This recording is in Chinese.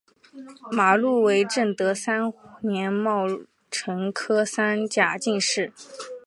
马录为正德三年戊辰科三甲进士。